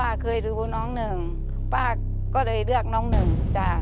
อยากจะเลือก๔ข้อป้าเคยดูน้องหนึ่งป้าก็เลยเลือกน้องหนึ่ง